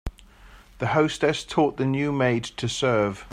The hostess taught the new maid to serve.